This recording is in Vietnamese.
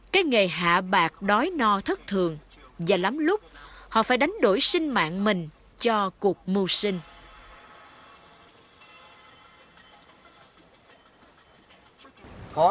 cái nghề hạ bạc đói no thất thường và lắm lúc họ phải đánh đổi sinh mạng mình cho cuộc mưu sinh